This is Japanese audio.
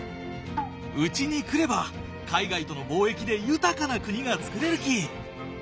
うちに来れば海外との貿易で豊かな国がつくれるき！